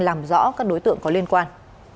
làm rõ các đối tượng có liên quan